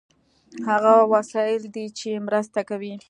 هغه وسایل دي چې مرسته کوي.